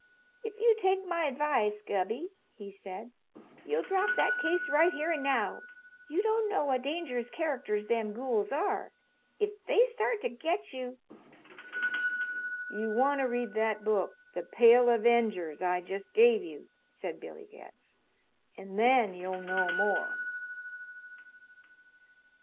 "If you'll take my advice, Gubby," he said, "you'll drop that case right here an' now. You don't know what dangerous characters them gools are. If they start to get you " "You want to read that book 'The Pale Avengers' I just gave you," said Billy Getz, "and then you'll know more."